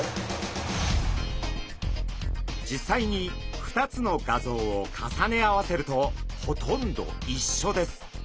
実際に２つの画像を重ね合わせるとほとんどいっしょです。